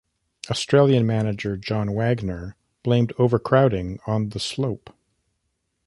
Australian manager John Wagner blamed overcrowding on the slope.